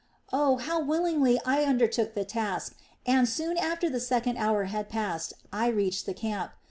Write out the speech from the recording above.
Oh, how willingly I undertook the task and, soon after the second hour had passed, I reached the camp.